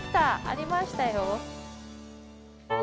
ありましたよ。